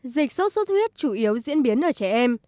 dịch sốt xuất huyết chủ yếu diễn biến ở trẻ em